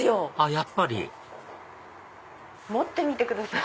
やっぱり持ってみてください。